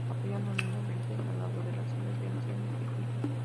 Apoyó anónimamente la labor del asilo de ancianos en Quito.